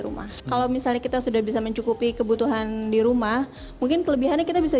rumah kalau misalnya kita sudah bisa mencukupi kebutuhan di rumah mungkin kelebihannya kita bisa